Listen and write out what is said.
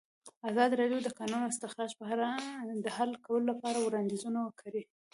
ازادي راډیو د د کانونو استخراج په اړه د حل کولو لپاره وړاندیزونه کړي.